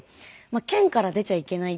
県から出ちゃいけないって。